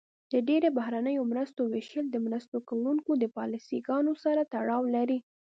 د ډیری بهرنیو مرستو ویشل د مرسته کوونکو د پالیسي ګانو سره تړاو لري.